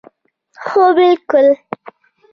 هو بلکل